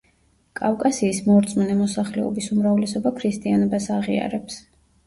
კავკასიის მორწმუნე მოსახლეობის უმრავლესობა ქრისტიანობას აღიარებს.